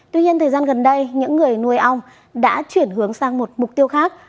tuy nhiên thời gian gần đây những người nuôi ong đã chuyển hướng sang một mục tiêu khác